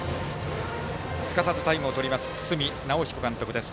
すかさずタイムをとります堤尚彦監督です。